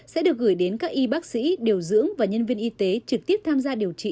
sẽ được gửi đến các y bác sĩ điều dưỡng và nhân viên y tế trực tiếp tham gia điều trị